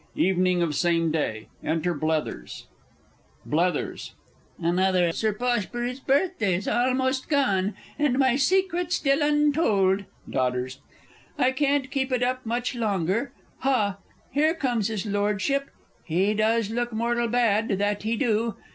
Evening of same day. Enter_ BLETHERS. Blethers. Another of Sir Poshbury's birthdays almost gone and my secret still untold! (Dodders.) I can't keep it up much longer.... Ha, here comes his Lordship he does look mortal bad, that he do!